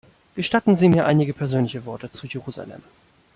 Gestatten Sie mir einige persönliche Worte zu Jerusalem.